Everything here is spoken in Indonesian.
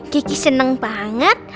geki seneng banget